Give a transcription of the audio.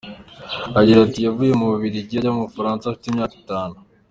Agira ati “Yavukiye mu Bubiligi ajya mu Bufaransa afite imyaka itanu.